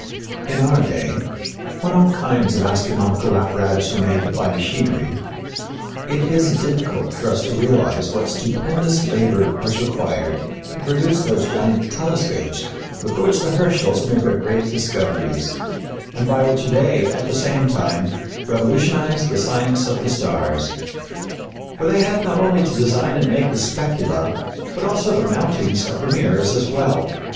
In our day, when all kinds of astronomical apparatus are made by machinery, it is difficult for us to realize what stupendous labor was required to produce those giant telescopes with which the Herschels made their great discoveries and by which they, at the same time, revolutionized the science of the stars. For they had not only to design and make the specula, but also the mountings of the mirrors as well.